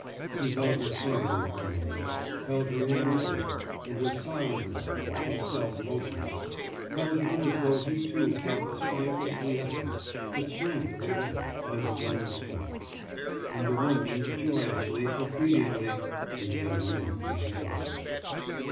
He held her firmly for a moment, held her immovable, and was silent awhile, himself motionless held her as though he too felt the strength of quiescence, the strength of a woman, as his own strength. And the woman, joyously, obediently, became limp in his arms.